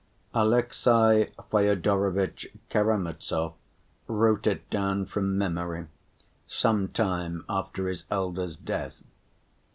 Alexey Fyodorovitch Karamazov wrote it down from memory, some time after his elder's death.